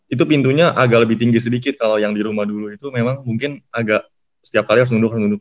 itu pintunya agak lebih tinggi sedikit kalau yang di rumah dulu itu memang mungkin agak setiap kali harus nunduk nunduk